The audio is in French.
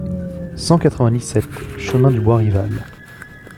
cent quatre-vingt-dix-sept chemin du Bois Rival